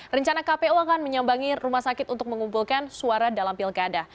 rencana kpu akan menyambangi rumah sakit untuk mengumpulkan suara dalam pilkada